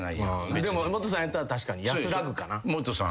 でもモトさんやったら確かに安らぐかな。